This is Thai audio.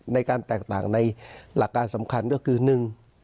ในการแตกต่างในหลักการสำคัญก็คือหนึ่ง